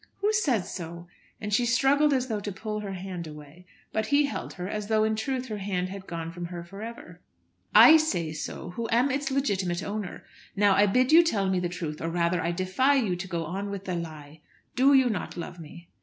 "Who says so?" and she struggled as though to pull her hand away, but he held her as though in truth her hand had gone from her for ever. "I say so, who am its legitimate owner. Now I bid you tell me the truth, or rather I defy you to go on with the lie. Do you not love me?"